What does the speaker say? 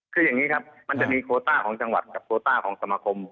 คืออย่างนี้ครับมันจะมีโคต้าของจังหวัดกับโคต้าของสมาคม